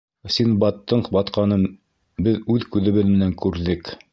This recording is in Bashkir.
Синдбадтың батҡанын беҙ үҙ күҙебеҙ менән күрҙек!